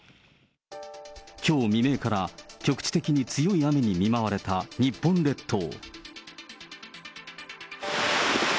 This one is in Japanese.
きょう未明から、局地的に強い雨に見舞われた日本列島。